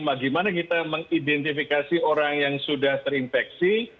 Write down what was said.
bagaimana kita mengidentifikasi orang yang sudah terinfeksi